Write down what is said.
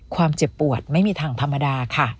เจ็บปวดไม่มีทางธรรมดาค่ะ